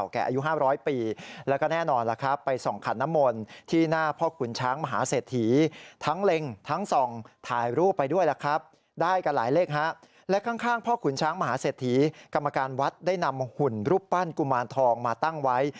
กรรมการวัดได้นำหุ่นรูปปั้นกุมารทองมาตั้งไว้